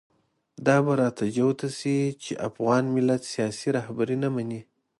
دا به راته جوته شي چې افغان ملت سیاسي رهبري نه مني.